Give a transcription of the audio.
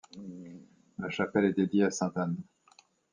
La chapelle est dédiée à sainte Anne.